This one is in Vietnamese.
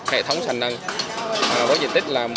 hệ thống sàn nâng với diện tích là một mươi ba x ba mươi chín m hai